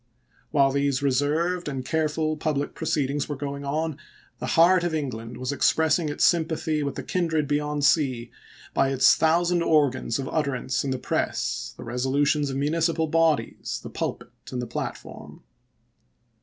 While these reserved and careful public proceedings were going on, the heart of England was expressing its sympathy with the kindred beyond sea by its thousand organs of utterance in the press, the resolutions of municipal bodies, the pulpit, and the platform.